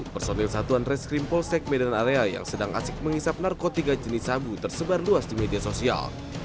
personil satuan reskrim polsek medan area yang sedang asik menghisap narkotika jenis sabu tersebar luas di media sosial